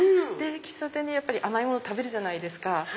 喫茶店でやっぱり甘いもの食べるじゃないですか。